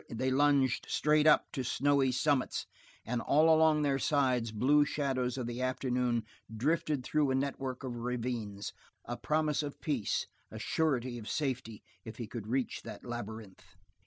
They lunged straight up to snowy summits, and all along their sides blue shadows of the afternoon drifted through a network of ravines a promise of peace, a surety of safety if he could reach that labyrinth.